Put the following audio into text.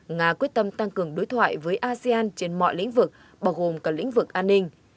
nga quyết tâm tăng cường đối thoại với asean trên mọi lĩnh vực bao gồm cả lĩnh vực an ninh